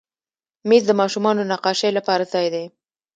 مېز د ماشومانو نقاشۍ لپاره ځای دی.